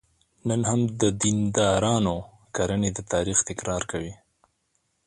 نن هم د دیندارانو کړنې د تاریخ تکرار کوي.